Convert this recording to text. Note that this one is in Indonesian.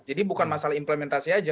jadi bukan masalah implementasi saja